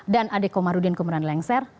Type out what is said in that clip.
dan adhiko marudin kemudian lengser